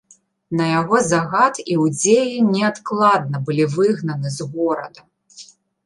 На яго загад іўдзеі неадкладна былі выгнаны з горада.